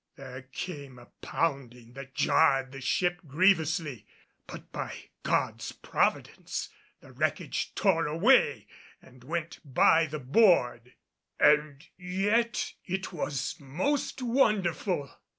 There came a pounding that jarred the ship grievously, but by God's Providence the wreckage tore away and went by the board. And yet it was most wonderful!